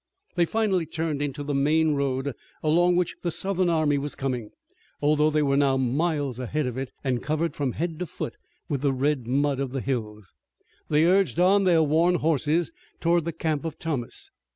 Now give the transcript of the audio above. They finally turned into the main road along which the Southern army was coming, although they were now miles ahead of it, and, covered from head to foot with the red mud of the hills, they urged on their worn horses toward the camp of Thomas.